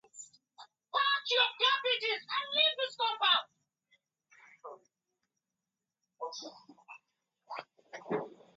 On Petra's birthday, the bedroom is almost empty.